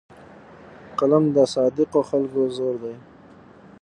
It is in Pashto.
قلم د صادقو خلکو زور دی